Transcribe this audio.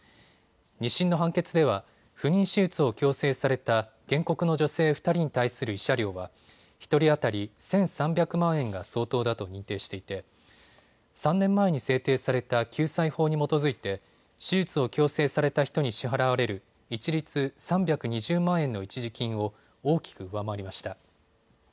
２審の判決では不妊手術を強制された原告の女性２人に対する慰謝料は１人当たり１３００万円が相当だと認定していて３年前に制定された救済法に基づいて手術を強制された人に支払われる一律３２０万円の一時金を大きく上回りました。